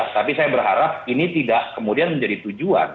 tapi saya berharap ini tidak kemudian menjadi tujuan